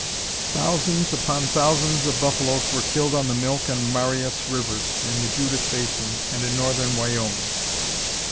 Thousands upon thousands of buffaloes were killed on the Milk and Marias Rivers, in the Judith Basin, and in northern Wyoming.